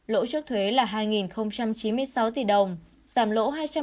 lỗ trước thuế là hai chín mươi sáu tỷ đồng giảm lỗ hai trăm một mươi hai tỷ đồng so với năm hai nghìn hai mươi một